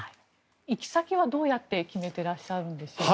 行き先はどうやって決めてらっしゃるんでしょうね。